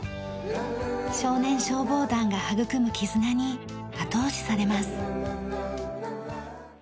少年消防団が育む絆に後押しされます。